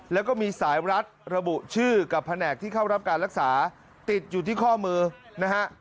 แล้วก็มีสายรัดระบุชื่อกับแผนกที่เข้ารับการรักษาติดอยู่ที่ข้อมือนะฮะ